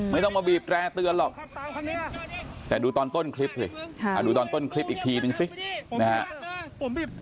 ไม่ต้องมาบีบแร่เตือนหรอกแต่ดูตอนต้นคลิปสิดูตอนต้นคลิปอีกทีนึงสินะฮะ